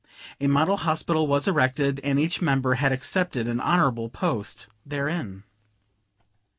A model hospital was erected, and each member had accepted an honorable post therein.